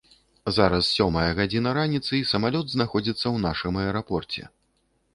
Зараз сёмая гадзіна раніцы, і самалёт знаходзіцца ў нашым аэрапорце.